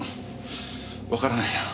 わからないな。